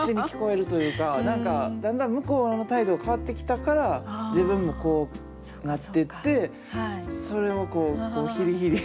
何かだんだん向こうの態度が変わってきたから自分もこうなってってそれをこう「ひりひり」。